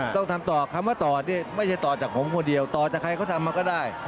ต้องทำต่อคำว่าต่อนี่ไม่ใช่ต่อจากผมคนเดียวต่อจากใครเขาทำมาก็ได้